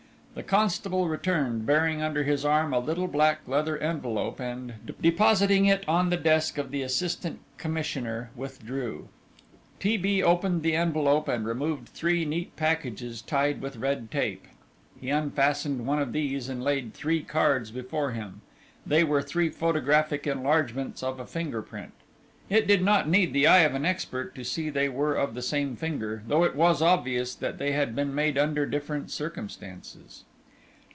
The constable returned, bearing under his arm a little black leather envelope, and, depositing it on the desk of the Assistant Commissioner, withdrew. T. B. opened the envelope and removed three neat packages tied with red tape. He unfastened one of these and laid three cards before him. They were three photographic enlargements of a finger print. It did not need the eye of an expert to see they were of the same finger, though it was obvious that they had been made under different circumstances.